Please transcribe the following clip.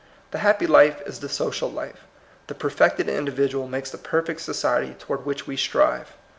The happy life is the social life. The per fected individual makes the perfect society toward which we strive.